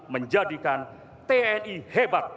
menjadikan tni hebat